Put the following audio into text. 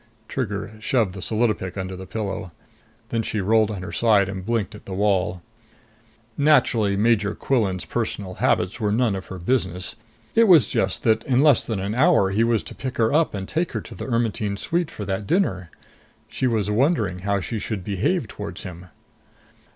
Trigger shoved the solidopic under the pillow. Then she rolled on her side and blinked at the wall. Naturally, Major Quillan's personal habits were none of her business. It was just that in less than an hour he was to pick her up and take her to the Ermetyne suite for that dinner. She was wondering how she should behave towards him.